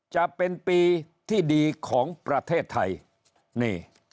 จะเป็นปีที่ดีของประเทศไทยนี่